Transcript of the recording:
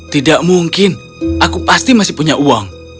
tidak mungkin aku pasti masih punya uang